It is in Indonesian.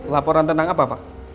laporan tentang apa pak